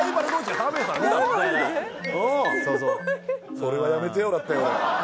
「それはやめてよ」だったよ。